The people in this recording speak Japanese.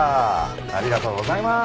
ありがとうございます。